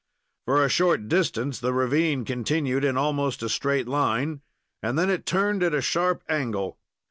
For a short distance, the ravine continued in almost a straight line, and then it turned at a sharp angle.